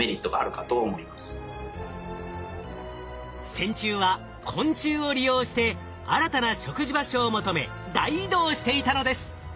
線虫は昆虫を利用して新たな食事場所を求め大移動していたのです。